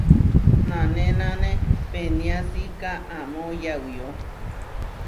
Nanénane peniásika amó yauyó.